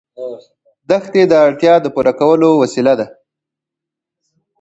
دښتې د اړتیاوو د پوره کولو وسیله ده.